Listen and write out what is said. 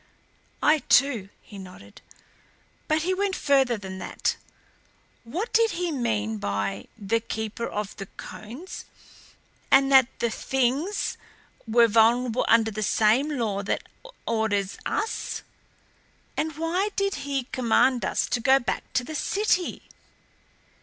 "I, too," he nodded. "But he went further than that. What did he mean by the Keeper of the Cones and that the Things were vulnerable under the same law that orders us? And why did he command us to go back to the city?